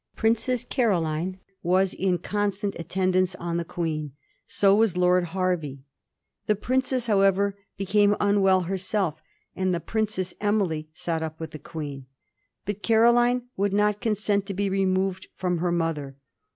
Princess Caroline was in constant attendance on the Queen. So WAS Lord Hervey. The princess, however, became unwell herself and the Princess Emily sat up with the Queen. But Caroline would not consent to be removed from her mother.